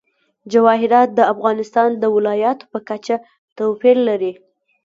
جواهرات د افغانستان د ولایاتو په کچه توپیر لري.